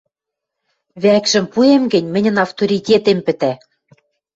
— Вӓкшӹм пуэм гӹнь, мӹньӹн ӓвторитетем пӹтӓ.